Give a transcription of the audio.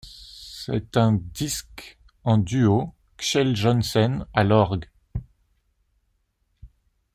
C'est un disque en duo Kjell Johnsen à l'orgue.